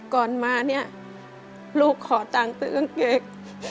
ก่อนมาเนี่ยลูกขอตังค์ซื้อกางเกง